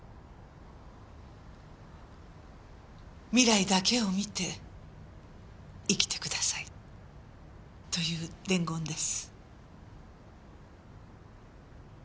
未来だけを見て生きてくださいという伝言です。